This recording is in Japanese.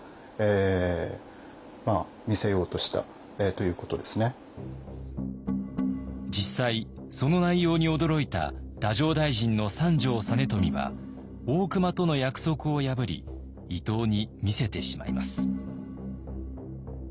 大隈はこれが他の参議に実際その内容に驚いた太政大臣の三条実美は大隈との約束を破り伊藤に見せてしまいます。